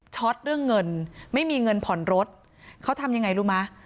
ตเรื่องเงินไม่มีเงินผ่อนรถเขาทำยังไงรู้ไหม